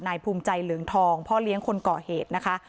ให้ภูมิใจเหลืองทองเพราะเลี้ยงคนเหก่อ